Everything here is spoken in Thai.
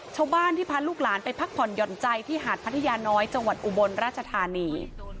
ชาวบ้านที่พาลูกหลานไปพักผ่อนหย่อนใจที่หาดพัทยาน้อยจังหวัดอุบลราชธานี